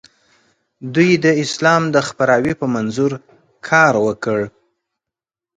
دوی د اسلام د خپراوي په منظور کار وکړ.